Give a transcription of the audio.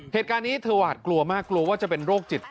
เหตุการณ์นี้เธอหวาดกลัวมากกลัวว่าจะเป็นโรคจิต